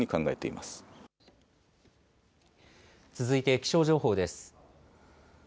続いて気象情報です。